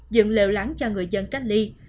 dựng lều lắng cho người dân cách ly